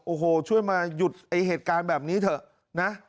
โอ้โหช่วยมาหยุดไอ้เหตุการณ์แบบนี้เถอะนะ